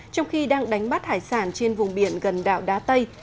trong khi đang đánh bắt hải sản trên vùng biển gần đảo đá tây